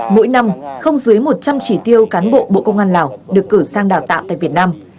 mỗi năm không dưới một trăm linh chỉ tiêu cán bộ bộ công an lào được cử sang đào tạo tại việt nam